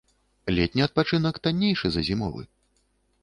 Летні адпачынак таннейшы за зімовы.